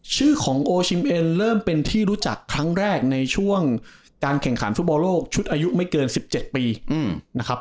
ชื่อของโอชิมเอ็นเริ่มเป็นที่รู้จักครั้งแรกในช่วงการแข่งขันฟุตบอลโลกชุดอายุไม่เกิน๑๗ปีนะครับ